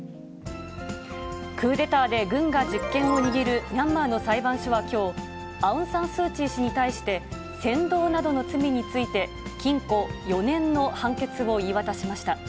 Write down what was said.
クーデターで軍が実権を握るミャンマーの裁判所はきょう、アウン・サン・スー・チー氏に対して、扇動などの罪について、禁錮４年の判決を言い渡しました。